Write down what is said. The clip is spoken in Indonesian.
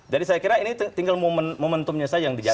jadi saya kira ini tinggal momentumnya saja yang dijaga